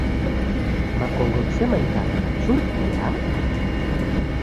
Makongo ghisemanyikagha ghachurikia